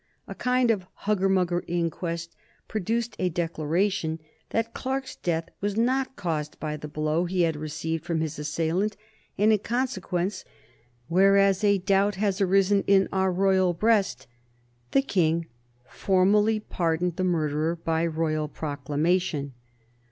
A kind of hugger mugger inquest produced a declaration that Clarke's death was not caused by the blow he had received from his assailant, and in consequence, "whereas a doubt had arisen in our royal breast," the King formally pardoned the murderer by royal proclamation.